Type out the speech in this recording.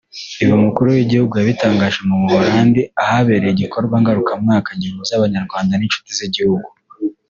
Ibi Umukuru w’Igihugu yabitangarije mu Buholandi ahabereye igikorwa ngarukamwaka gihuza Abanyarwanda n’inshuti z’igihugu